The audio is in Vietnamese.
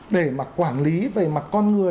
để mà quản lý về mặt con người